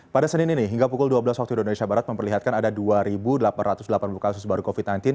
pada senin ini hingga pukul dua belas waktu indonesia barat memperlihatkan ada dua delapan ratus delapan puluh kasus baru covid sembilan belas